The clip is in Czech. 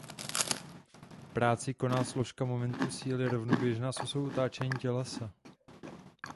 Práci koná složka momentu síly rovnoběžná s osou otáčení tělesa.